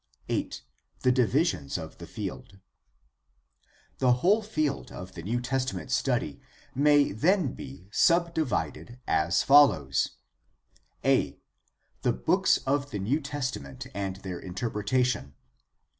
8. The divisions of the field. — The whole field of the New Testament study may then be subdivided as follows: I. The Books of the New Testament and Their Interpretation.